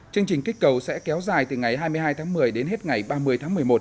chương trình kích cầu sẽ kéo dài từ ngày hai mươi hai tháng một mươi đến hết ngày ba mươi tháng một mươi một